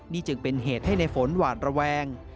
นี่จึงเป็นเหตุให้ในฝนหวาดระแวง